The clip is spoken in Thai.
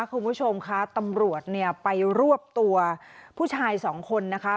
คุณผู้ชมคะตำรวจเนี่ยไปรวบตัวผู้ชายสองคนนะคะ